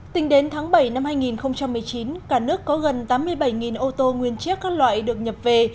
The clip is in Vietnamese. tính đến tháng bảy năm hai nghìn một mươi chín cả nước có gần tám mươi bảy ô tô nguyên chiếc các loại được nhập về